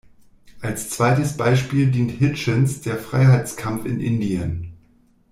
Als zweites Beispiel dient Hitchens der Freiheitskampf in Indien.